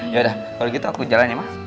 yaudah kalau gitu aku jalannya ma